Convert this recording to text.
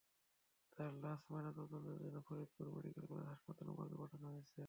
তাঁর লাশ ময়নাতদন্তের জন্য ফরিদপুর মেডিকেল কলেজ হাসপাতালের মর্গে পাঠানো হয়েছে।